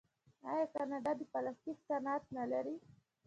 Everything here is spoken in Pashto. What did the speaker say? آیا کاناډا د پلاستیک صنعت نلري؟